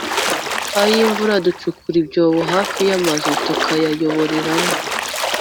ayimvura ducukura ibyobo hafi y’amazu tukayayoboramo